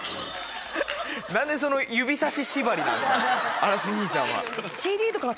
嵐兄さんは。